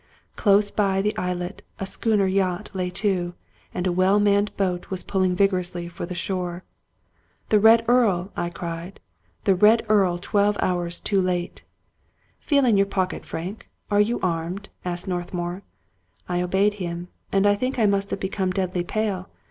Close by the islet a schooner yacht lay to, and a well manned boat was pulling vigorously for the shore. " The ' Red Earl '!" I cried. " The ' Red Earl ' twelve hours too late !"" Feel in your pocket, Frank. Are you armed ?" asked Northmour. I obeyed him, and I think I must have become deadly pale.